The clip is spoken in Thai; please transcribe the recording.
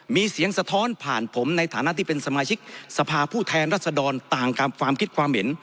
มีเสียงสะท้อนผ่านผมในฐานะที่เป็นสมาชิกสภาผู้แทนรัศดรต่างกับความคิดความเห็น